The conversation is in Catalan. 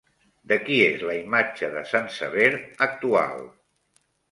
De qui és la imatge de Sant Sever actual?